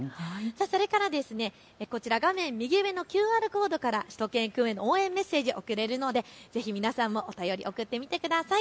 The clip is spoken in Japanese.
それからこちら、画面右上のＱＲコードからしゅと犬くんへの応援メッセージを送れるのでぜひ皆さんもお便りを送ってみてください。